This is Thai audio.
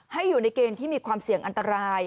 อยู่ในเกณฑ์ที่มีความเสี่ยงอันตราย